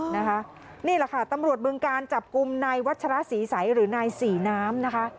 นะคะนี่ล่ะค่ะตำรวจบกลุ่มนายวัชรสีใสหรือนายสีน้ำนะคะ